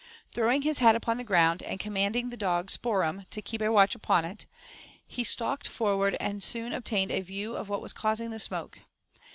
Throwing his hat upon the ground, and commanding the dog Spoor'em to keep a watch upon it, he stalked forward and soon obtained a view of what was causing the smoke.